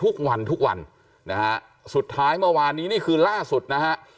ทุกวันทุกวันนะฮะสุดท้ายเมื่อวานนี้นี่คือล่าสุดนะฮะ